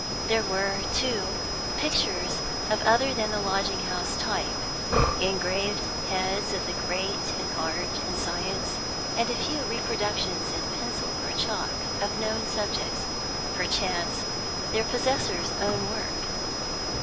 There were, too, pictures of other than the lodging house type; engraved heads of the great in art and science, and a few reproductions in pencil or chalk of known subjects, perchance their possessor's own work.